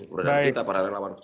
keberadaan kita para relawan